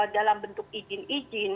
dalam bentuk izin izin